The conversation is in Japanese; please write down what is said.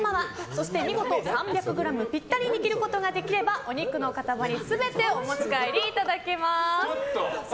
そして見事３００ｇピッタリに切ることができればお肉の塊全てお持ち帰りいただけます。